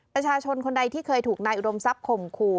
ประชาชนคนใดที่เคยถูกนายอุดมทรัพย์ข่มขู่